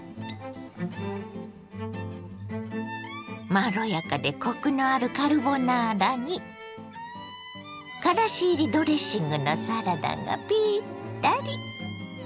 まろやかでコクのあるカルボナーラにからし入りドレッシングのサラダがピッタリ。